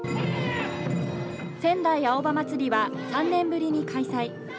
「仙台青葉まつり」は３年ぶりに開催。